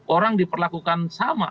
orang diperlakukan sama